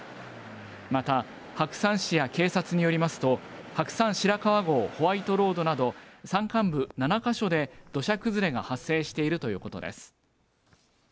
また、白山市や警察によりますと、白山白川郷ホワイトロードなど、山間部７か所で土砂崩れが発生しているということです。